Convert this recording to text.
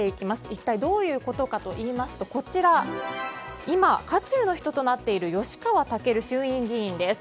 一体どういうことかといいますと今、渦中の人となっている吉川赳衆院議員です。